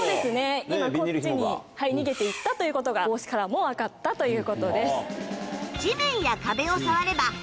今こっちに逃げて行ったということが帽子からも分かったということです。